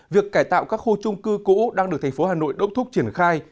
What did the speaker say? việc cải tạo các khu trung cư cũ đang được tp hà nội đốc thúc triển khai